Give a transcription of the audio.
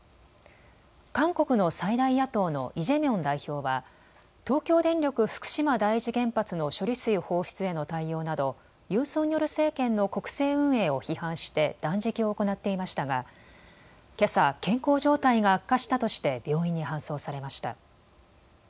韓国の最大野党のイ・ジェミョン代表は東京電力福島第一原発の処理水放出への対応などユン・ソンニョル政権の国政運営を批判して断食を行っていましたがけさ健康状態が悪化したとして病院に搬送されました。